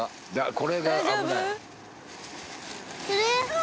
これが危ない。